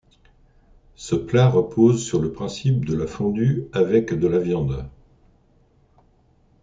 Ce plat repose sur le principe de la fondue avec de la viande.